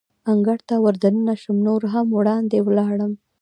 انګړ ته ور دننه شوم، نور هم وړاندې ولاړم.